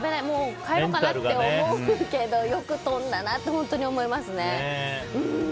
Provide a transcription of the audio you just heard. もう帰ろうかなって思うけどよく飛んだなって本当に思いますね。